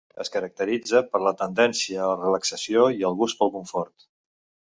Es caracteritza per la tendència a la relaxació i el gust pel confort.